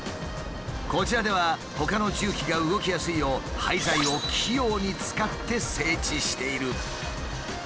こちらではほかの重機が動きやすいよう廃材を器用に使って整地している。